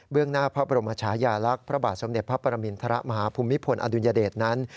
หน้าพระบรมชายาลักษณ์พระบาทสมเด็จพระปรมินทรมาฮภูมิพลอดุลยเดชนั้น